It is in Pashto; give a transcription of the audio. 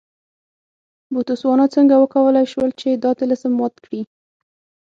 بوتسوانا څنګه وکولای شول چې دا طلسم مات کړي.